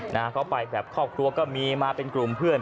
นะฮะก็ไปแบบครอบครัวก็มีมาเป็นกลุ่มเพื่อน